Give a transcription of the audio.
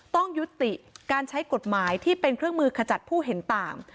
ต้องยุติการใช้กฎหมายที่เป็นเครื่องมือขจัดผู้เห็นต่าง